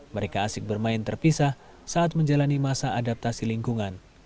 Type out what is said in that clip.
mereka asik bermain terpisah saat menjalani masa adaptasi lingkungan